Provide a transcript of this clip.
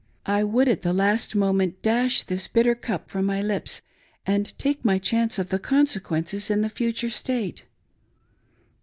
, I would at the last moment dash this bitter cup from my lips and take ray chancy of the consequences in a future state